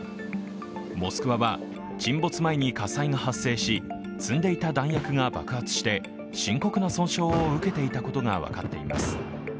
「モスクワ」は沈没前に火災が発生し、積んでいた弾薬が爆発して、深刻な損傷を受けていたことが分かっています。